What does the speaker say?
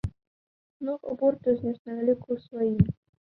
Многа бур ты знёс на вяку сваім!